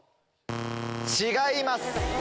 違います。